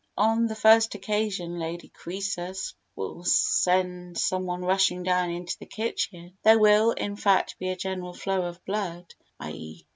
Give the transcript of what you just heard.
On the first occasion Lady Croesus will send some one rushing down into the kitchen, there will, in fact, be a general flow of blood (i.